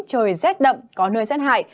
trời rét đậm có nơi rét hại